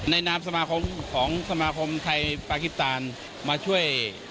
นามสมาคมของสมาคมไทยปากิตานมาช่วย